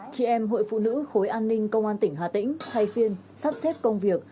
chị em hội phụ nữ khối an ninh công an tỉnh hà tĩnh thay phiên sắp xếp công việc